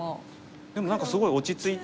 でも何かすごい落ち着いてますよね。